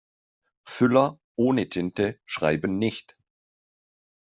Füller ohne Tinte schreiben nicht.